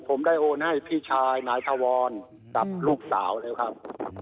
ผมได้โอนให้พี่ชายนายทวรกับลูกสาวแล้วครับ